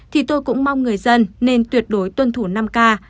thì tôi cũng mong người dân nên tuyệt đối tuân thủ năm k